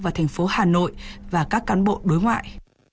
và thành phố hà nội và các cán bộ đối ngoại